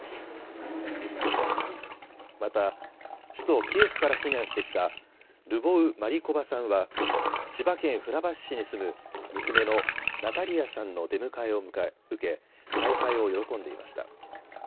また首都キエフから避難してきたルボウ・マリコバさんは、千葉県船橋市に住む、娘のナタリヤさんの出迎えを受け再会を喜んでいました。